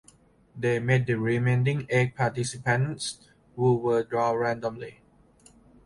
They met the remaining eight participants who were drawn randomly.